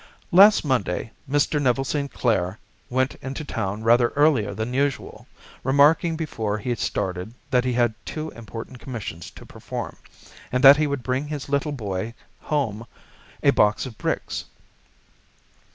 "Last Monday Mr. Neville St. Clair went into town rather earlier than usual, remarking before he started that he had two important commissions to perform, and that he would bring his little boy home a box of bricks.